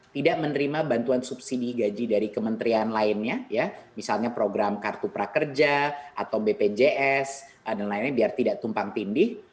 tidak menerima bantuan subsidi gaji dari kementerian lainnya ya misalnya program kartu prakerja atau bpjs dan lainnya biar tidak tumpang tindih